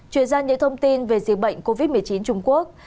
chuyển ra những thông tin về diễn bệnh covid một mươi chín trung quốc